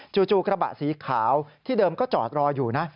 จู่กระบะสีขาวที่เดิมก็จอดรออยู่นะ